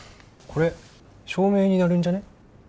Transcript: これ証明になるんじゃね？